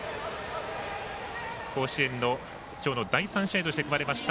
甲子園のきょうの第３試合として組まれました